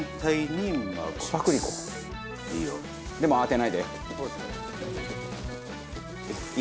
でも慌てないで。